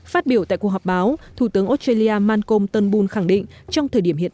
phát biểu tại cuộc họp báo thủ tướng australia malcolm turnbull khẳng định trong thời điểm hiện